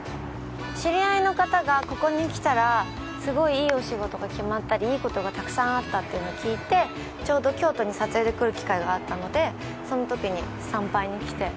知り合いの方がここに来たらすごいいいお仕事が決まったりいいことがたくさんあったっていうのを聞いてちょうど京都に撮影で来る機会があったのでそのときに参拝に来て。